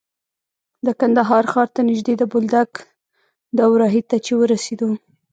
د کندهار ښار ته نژدې د بولدک دوراهي ته چې ورسېدو.